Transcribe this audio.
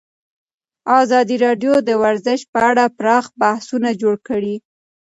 ازادي راډیو د ورزش په اړه پراخ بحثونه جوړ کړي.